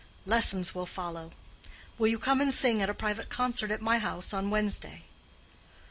Lessons will follow. Will you come and sing at a private concert at my house on Wednesday?"